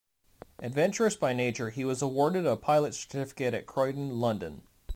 Adventurous by nature he was awarded a pilot certificate at Croydon, London.